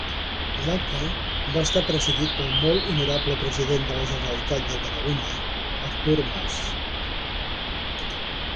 L'acte va estar presidit pel Molt Honorable president de la Generalitat de Catalunya, Artur Mas.